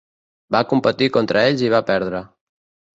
Va competir contra ells i va perdre.